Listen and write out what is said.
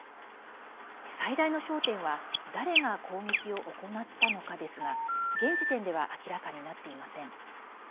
最大の焦点は誰が攻撃を行ったのかですが現時点では明らかになっていません。